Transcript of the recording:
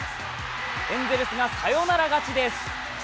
エンゼルスがサヨナラ勝ちです。